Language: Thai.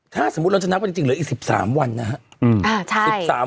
ถ้าสมมุติเราจะนับกันจริงเหลืออีก๑๓วันนะครับ